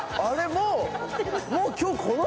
もう。